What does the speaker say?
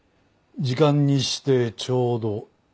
時間にしてちょうど１分。